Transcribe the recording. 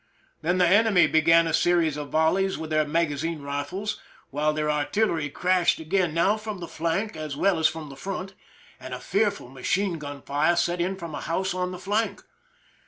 Then the enemy began a series of volleys with their magazine rifles, while their artillery crashed again, now from the flank as well as from the front, and a fearful machine gun fire set in from a house on the flank.